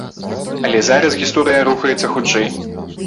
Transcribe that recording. Але зараз гісторыя рухаецца хутчэй.